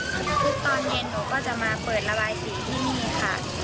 ทุกตอนเย็นหนูก็จะมาเปิดระบายสีที่นี่ค่ะ